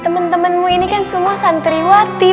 teman temanmu ini kan semua santri watih